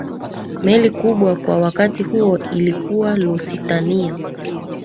meli kubwa kwa wakati huo ilikuwa lusitania